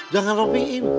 jangan ropi i